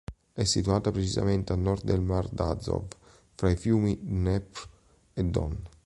Era situata precisamente a nord del Mar d'Azov fra i fiumi Dnepr e Don.